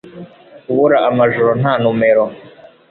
Kubura amajoro nta numero